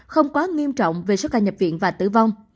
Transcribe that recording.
không quá nghiêm trọng về số ca nhập viện và tử vong